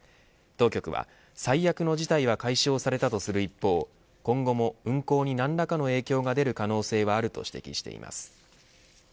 当局は最悪の事態は解消されたとする一方今後も運航に何らかの影響が出る可能性はあると指摘しています。